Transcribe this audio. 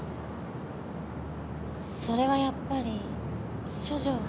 それはやっぱり処女。